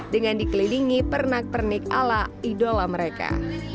dengan dikelilingi pernak pernik ala idola mereka